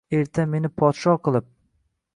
Erta meni podsho qilib